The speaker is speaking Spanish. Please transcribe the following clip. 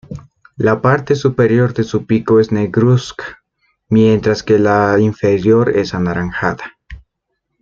La parte superior de su pico es negruzca mientras que la inferior es anaranjada.